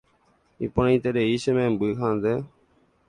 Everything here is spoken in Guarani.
Iporãiterei che memby ha nde